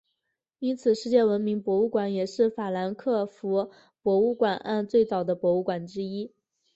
因此世界文化博物馆也是法兰克福博物馆岸最早的博物馆之一。